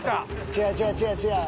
違う違う違う違う。